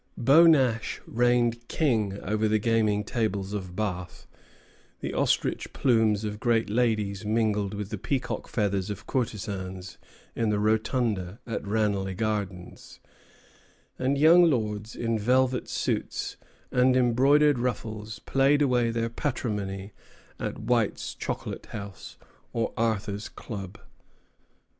Beau Nash reigned king over the gaming tables of Bath; the ostrich plumes of great ladies mingled with the peacock feathers of courtesans in the rotunda at Ranelagh Gardens; and young lords in velvet suits and embroidered ruffles played away their patrimony at White's Chocolate House or Arthur's Club.